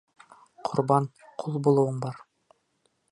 Ҡорбан, ҡол булыуың бар.